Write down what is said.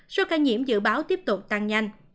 số ca nhiễm dự báo tiếp tục tăng nhanh